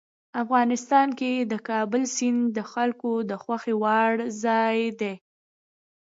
افغانستان کې د کابل سیند د خلکو د خوښې وړ ځای دی.